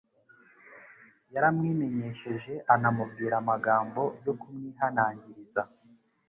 yaramwimenyesheje anamubwira amagambo yo kumwihanangiriza